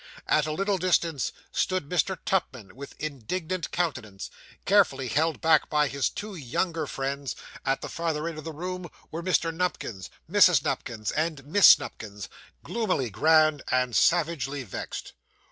At a little distance, stood Mr. Tupman with indignant countenance, carefully held back by his two younger friends; at the farther end of the room were Mr. Nupkins, Mrs. Nupkins, and Miss Nupkins, gloomily grand and savagely vexed.